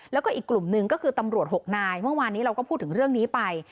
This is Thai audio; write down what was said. แล้วก็อีกกลุ่มหนึ่งก็คือตำรวจ๖นายเมื่อวานนี้เราก็พูดถึงเรื่องนี้ไป